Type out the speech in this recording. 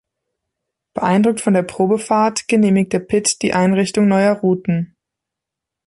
Beeindruckt von der Probefahrt genehmigte Pitt die Einrichtung neuer Routen.